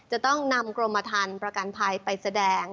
จะต้องนำกรมฐานประกันภัยไปแสดง